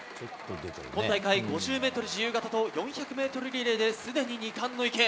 今大会、５０ｍ自由形と４００ｍリレーですでに２冠の池江